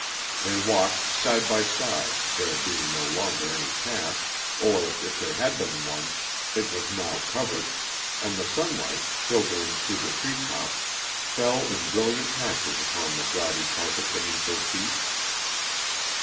They walked side by side, there being no longer any path, or, if there had been one, it was now covered, and the sunlight, filtering through the tree tops, fell in brilliant patches upon the gaudy carpet beneath their feet.